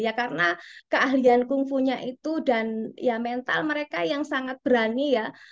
ya karena keahlian kungfunya itu dan ya mental mereka yang sangat berani ya